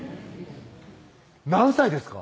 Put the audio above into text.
何歳ですか？